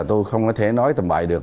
tôi không có thể nói tầm bại được